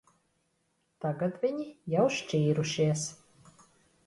Tagad viņi jau šķīrušies.